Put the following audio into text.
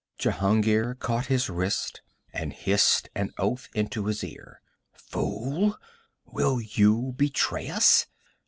Jehungir caught his wrist and hissed an oath into his ear. 'Fool! Will you betray us?